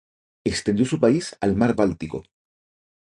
Extendió su país al mar Báltico.